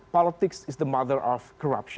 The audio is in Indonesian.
politik adalah perempuan korupsi